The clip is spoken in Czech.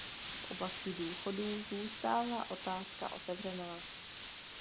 V oblasti důchodů zůstává otázka otevřená.